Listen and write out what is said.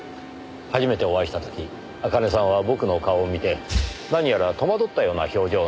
初めてお会いした時茜さんは僕の顔を見て何やら戸惑ったような表情をなさいました。